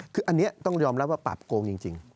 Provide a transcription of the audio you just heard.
คืออันนี้ต้องยอมรับว่าปราบโกงจริง